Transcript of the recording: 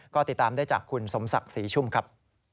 ก็ติดตามได้จากคุณสมศักดิ์ศรีชุ่มครับ